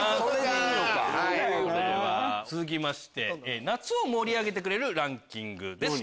続きまして夏を盛り上げてくれるランキングです。